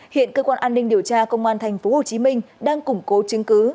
hiện cơ quan an ninh điều tra công an tp hcm đang củng cố chứng cứ